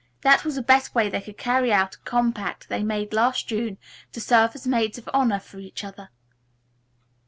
That was the best way they could carry out a compact they made last June to serve as maids of honor for each other."